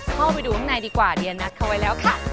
เข้าไปดูข้างในดีกว่าเดียนัดเขาไว้แล้วค่ะ